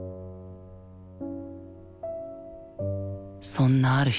そんなある日。